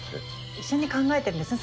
一緒に考えてるんですね。